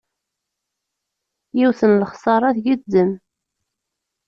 Yiwet n lexsara tgezzem.